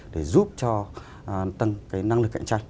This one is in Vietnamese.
để giúp cho tăng cái năng lực cạnh tranh